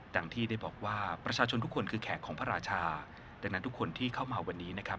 ที่ได้บอกว่าประชาชนทุกคนคือแขกของพระราชาดังนั้นทุกคนที่เข้ามาวันนี้นะครับ